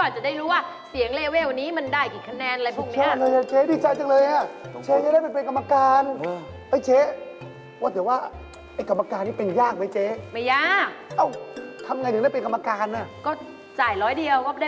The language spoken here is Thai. ช่วงหลังเป็นแต่ประธานอย่างเดียวเลย